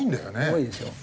重いですよ。